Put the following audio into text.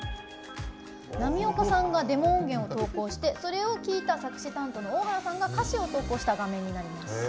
浪岡さんがデモ音源を投稿してそれを聴いた作詞担当の大原さんが歌詞を投稿した画面になります。